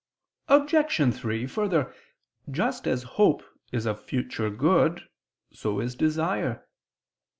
Obj. 3: Further, just as hope is of future good, so is desire.